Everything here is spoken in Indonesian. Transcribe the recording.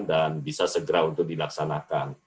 dan bisa segera untuk dilaksanakan